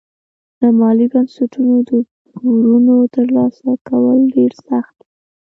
له مالي بنسټونو د پورونو ترلاسه کول ډېر سخت وي.